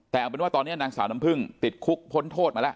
แต่เอาเป็นว่าตอนนี้นางสาวน้ำพึ่งติดคุกพ้นโทษมาแล้ว